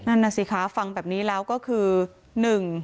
นั่นแหละสิคะฟังแบบนี้แล้วคือ